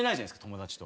友達と。